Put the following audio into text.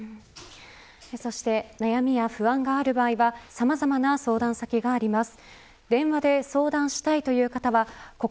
そして悩みや不安がある場合はさまざまな相談先があります。